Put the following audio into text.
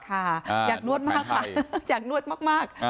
ค่ะอยากนวดมากค่ะอยากนวดมาก